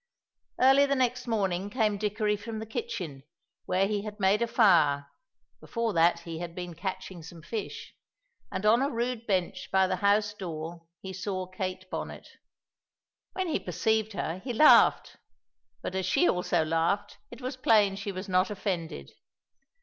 Early the next morning came Dickory from the kitchen, where he had made a fire (before that he had been catching some fish), and on a rude bench by the house door he saw Kate Bonnet. When he perceived her he laughed; but as she also laughed, it was plain she was not offended.